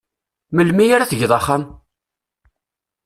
Melmi ara tgeḍ axxam?